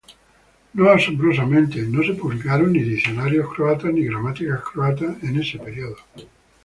No asombrosamente, no se publicaron ni diccionarios croatas ni gramáticas croatas en este período.